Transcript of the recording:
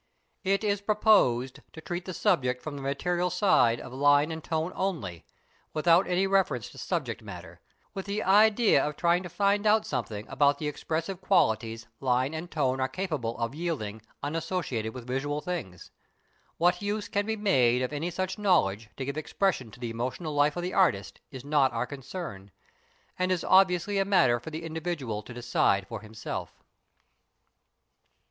"] It is proposed to treat the subject from the material side of line and tone only, without any reference to subject matter, with the idea of trying to find out something about the expressive qualities line and tone are capable of yielding unassociated with visual things. What use can be made of any such knowledge to give expression to the emotional life of the artist is not our concern, and is obviously a matter for the individual to decide for himself.